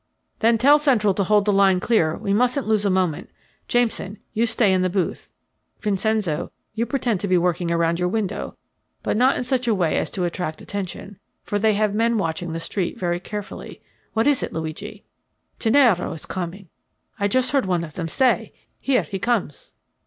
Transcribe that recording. "Then tell central to hold the line clear we mustn't lose a moment. Jameson, you stay in the booth. Vincenzo, you pretend to be working around your window, but not in such a way as to attract attention, for they have men watching the street very carefully. What is it, Luigi?" "Gennaro is coming. I just heard one of them say, 'Here he comes.'"